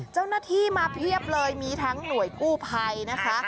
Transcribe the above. เจ้าหน้าที่มาเพียบเลยมีทั้งหน่วยกู้ภัยนะคะ